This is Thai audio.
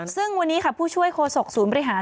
ซึ่งวันนี้ค่ะผู้ช่วยโฆษกศูนย์บริหาร